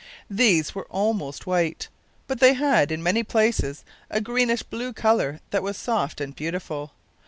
These last were almost white, but they had, in many places, a greenish blue colour that was soft and beautiful.